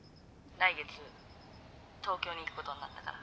来月東京に行くことになったから。